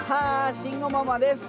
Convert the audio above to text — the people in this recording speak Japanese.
慎吾ママです。